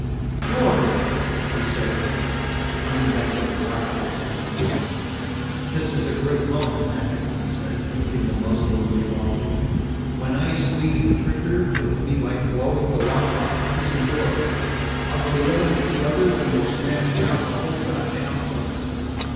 "George," he said, turning back to the black eyed man. "This is a great moment," Atkinson said, lifting the muzzle of the revolver. "When I squeeze the trigger, it'll be like blowing the lock off a prison door. I'll go yelling to the others, and we'll smash down the whole goddamned place.